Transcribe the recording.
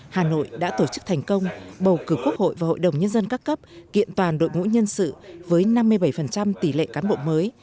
hà nội đã tổ chức thành công bầu cử quốc hội và hội đồng nhân dân các cấp kiện toàn đội ngũ nhân sự với năm mươi bảy tỷ lệ cán bộ mới